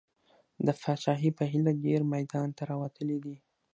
د پاچاهۍ په هیله ډېر میدان ته راوتلي دي.